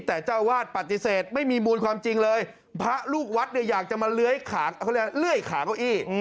แต่เจ้าวาสปฏิเสธไม่มีมูลความจริงเลยพระลูกวัดอยากจะมาเลื่อยขาเก้าอี้